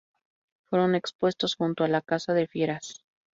Fueron expuestos junto a la Casa de Fieras.